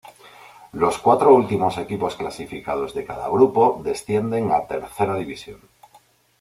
Los cuatro últimos equipos clasificados de cada grupo descienden a Tercera División.